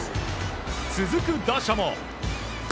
続く打者も。